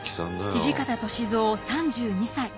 土方歳三３２歳。